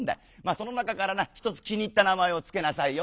その中からな一つ気に入った名前をつけなさいよ」。